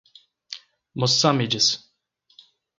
Mossâmedes